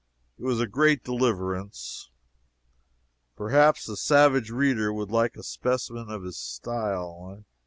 It was a great deliverance. Perhaps the savage reader would like a specimen of his style.